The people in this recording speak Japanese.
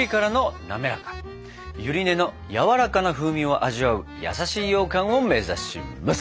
ゆり根のやわらかな風味を味わう優しいようかんを目指します！